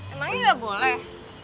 emangnya gak boleh